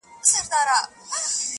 د ميني شر نه دى چي څـوك يـې پــټ كړي.